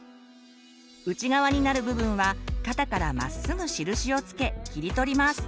内側になる部分は肩からまっすぐ印を付け切り取ります。